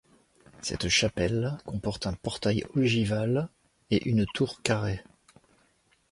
Cette chapelle comporte un portail ogival et une tour carrée.